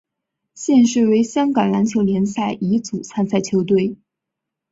现时为香港篮球联赛乙组参赛球队。